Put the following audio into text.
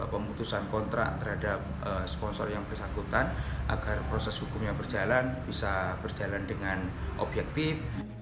pemutusan kontrak terhadap sponsor yang bersangkutan agar proses hukumnya berjalan bisa berjalan dengan objektif